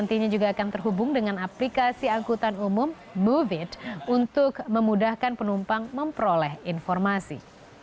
nantinya juga akan terhubung dengan aplikasi angkutan umum moviet untuk memudahkan penumpang memperoleh informasi